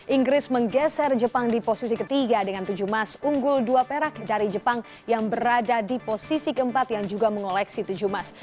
inggris menggeser jepang di posisi ketiga dengan tujuh emas unggul dua perak dari jepang yang berada di posisi keempat yang juga mengoleksi tujuh emas